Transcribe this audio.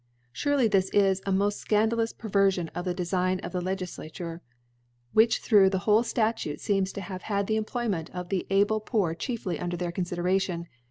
Surely this is a mod fcandalous Perverfion of the Defign of the Lcgiflature, which through the whole Statute fecms to have had the Emptoymen; of tht able Poor chiefly under their Confi deration.